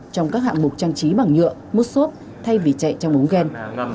trong các hạng mục trang trí bằng nhựa mút xốp thay vì chạy trong ống ghen